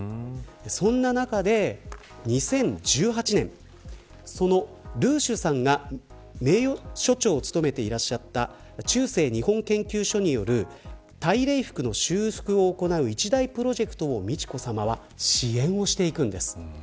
そんな中で、２０１８年そのルーシュさんが名誉所長を務めていらっしゃった中世日本研究所による大礼服の修復を行う一大プロジェクトを美智子さまは支援していくんです。